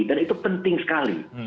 dan itu penting sekali